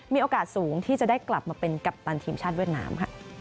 มีโอกาสสูงที่จะได้กลับมาเป็นกัปตันทีมชาติเวียดนามค่ะ